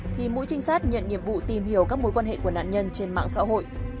thì mũi trinh sát nhận nhiệm vụ tìm hiểu các mối quan hệ của nạn nhân trên mạng xã hội